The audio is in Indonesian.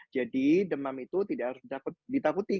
jadi demam itu tidak harus ditakuti